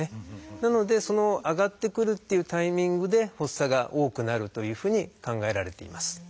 なのでその上がってくるっていうタイミングで発作が多くなるというふうに考えられています。